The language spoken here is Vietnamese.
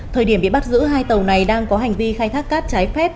thời điểm bị bắt giữ hai tàu này đang có hành vi khai thác cát trái phép